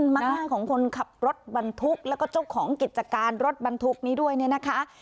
มักง่ายของคนขับรถบรรทุกแล้วก็เจ้าของกิจการรถบรรทุกนี้ด้วยเนี่ยนะคะ